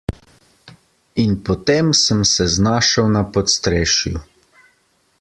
In potem sem se znašel na podstrešju!